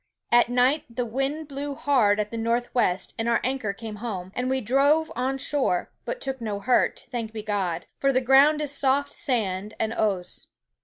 At night the wind blew hard at the north west, and our anchor came home, and we drove on shore, but took no hurt, thanked bee God, for the ground is soft sand and ose.